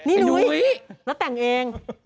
นี่นุ้ยแล้วแต่งเอง